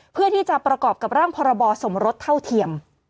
เพื่อที่จะประกอบกับร่างพรบสมรสเท่าเทียม